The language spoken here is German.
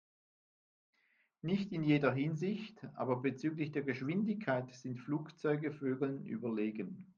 Nicht in jeder Hinsicht, aber bezüglich der Geschwindigkeit sind Flugzeuge Vögeln überlegen.